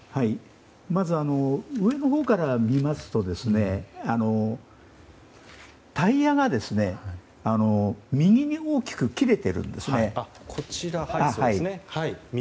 まず上のほうから見ますとタイヤが右に大きく切れているんですね。